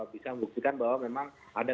bisa membuktikan bahwa memang ada